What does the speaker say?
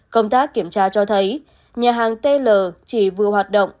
công tác kiểm tra cho thấy nhà hàng tl chỉ vừa hoạt động